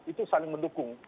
itu saling mendukung